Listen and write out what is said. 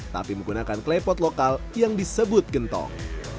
tapi menggunakan klepot lokal yang disebut gentong